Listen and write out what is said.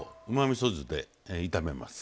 みそ酢で炒めます。